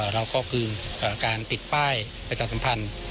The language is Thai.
เราก็คือการติดป้ายประตังภัณฑ์